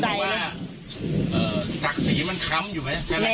ตักศรีมันค้ำอยู่ไหม